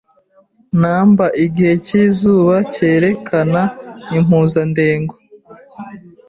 numberIgihe cyizuba cyerekana impuzandengo